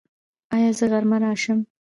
ایا زه غرمه راشم؟